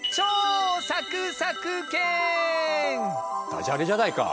ダジャレじゃないか。